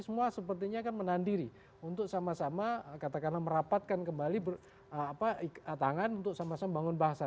semua sepertinya kan menahan diri untuk sama sama katakanlah merapatkan kembali tangan untuk sama sama membangun bahasa